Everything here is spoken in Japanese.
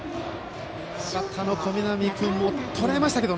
バッターの小南君もとらえましたけど。